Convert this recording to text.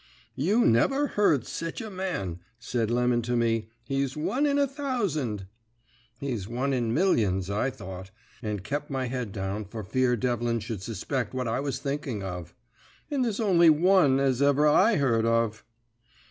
"'You never heard sech a man,' said Lemon to me. 'He's one in a thousand.' "'He's one in millions,' I thought, and I kep my head down for fear Devlin should suspect what I was thinking of; 'and there's only one as ever I heard of.'